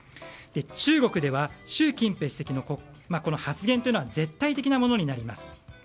中国では習近平主席の発言は絶対的なものになります。